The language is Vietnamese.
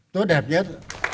tốt đẹp nhất